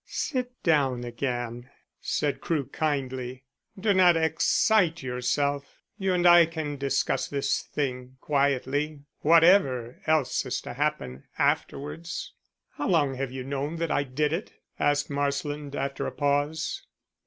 "Sit down again," said Crewe kindly. "Do not excite yourself. You and I can discuss this thing quietly whatever else is to happen afterwards." "How long have you known that I did it?" asked Marsland, after a pause.